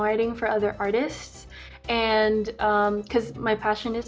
karena gaya aku adalah pembaca lagu